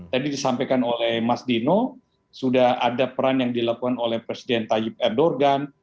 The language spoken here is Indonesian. tadi disampaikan oleh mas dino sudah ada peran yang dilakukan oleh presiden tayip erdogan